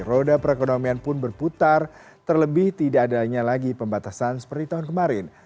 roda perekonomian pun berputar terlebih tidak adanya lagi pembatasan seperti tahun kemarin